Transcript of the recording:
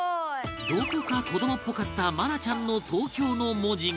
どこか子どもっぽかった愛菜ちゃんの「東京」の文字が